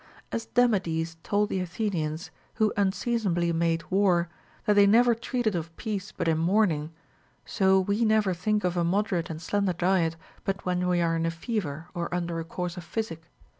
9. As Demades told the Athenians, who unseasonably made war, that they never treated of peace but in mourn ing, so we never think of a moderate and slender diet but when we are in a fever or under a course of physic.